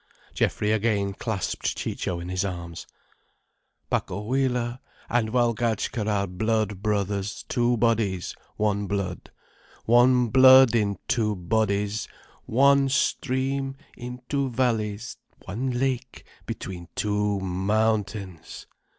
Geoffrey again clasped Ciccio in his arms. "Pacohuila and Walgatchka are blood brothers, two bodies, one blood. One blood, in two bodies; one stream, in two valleys: one lake, between two mountains."